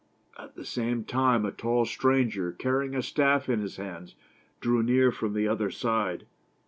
At the same time a tall stranger, carrying a staff in his hands, drew near from the other side.